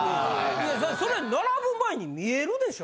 いやそれ並ぶ前に見えるでしょ？